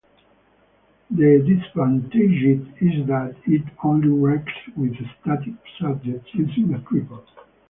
The disadvantage is that it only works with static subjects using a tripod.